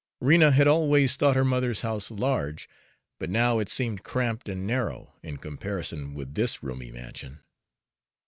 Rena had always thought her mother's house large, but now it seemed cramped and narrow, in comparison with this roomy mansion.